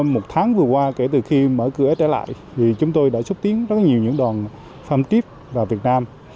một tháng vừa qua kể từ khi mở cửa trở lại thì chúng tôi đã xúc tiến rất nhiều những đoàn farm tiếp vào việt nam